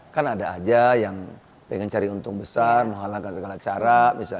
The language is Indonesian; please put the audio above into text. kan ada aja yang pengen cari untung besar menghalangkan segala cara